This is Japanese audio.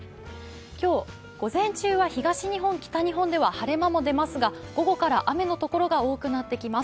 今日、午前中は東日本、北日本では晴れ間も出ますが午後から雨の所が多くなってきます。